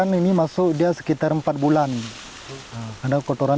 namun mereka beraksi ketika mendapat laporan dari masyarakat atau warga